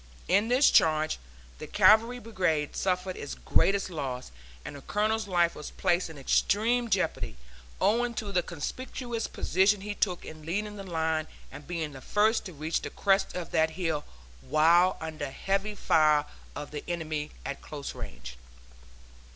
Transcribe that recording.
In this charge the Cavalry Brigade suffered its greatest loss, and the Colonel's life was placed in extreme jeopardy, owing to the conspicuous position he took in leading the line, and being the first to reach the crest of that hill, while under heavy fire of the enemy at close range.